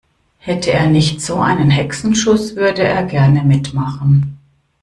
Hätte er nicht so einen Hexenschuss, würde er gerne mitmachen.